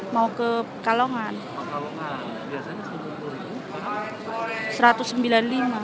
mau ke kalongan biasanya rp satu ratus sembilan puluh lima